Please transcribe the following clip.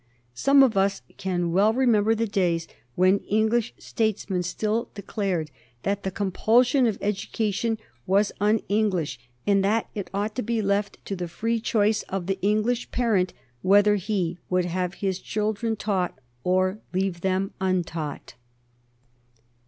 Some of us can well remember the days when English statesmen still declared that the compulsion of education was un English, and that it ought to be left to the free choice of the English parent whether he would have his children taught or leave them untaught.